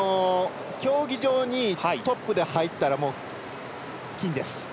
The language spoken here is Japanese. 競技場にトップで入ったら金です。